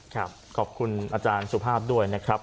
ขอบคุณอาจารย์สุภาพด้วยนะครับ